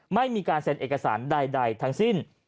ไม่มีการเซ็นเอกสารใดทั้งสิ้น